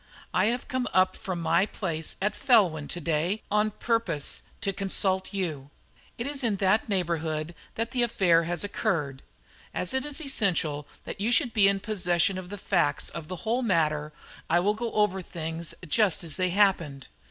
"I have come up from my place at Felwyn to day on purpose to consult you. It is in that neighbourhood that the affair has occurred. As it is essential that you should be in possession of the facts of the whole matter, I will go over things just as they happened."